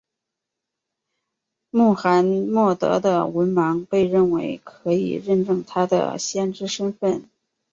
穆罕默德的文盲被认为可以认证他的先知身份。